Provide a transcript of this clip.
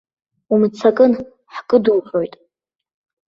Умыццакын, ҳкыдуҟьоит.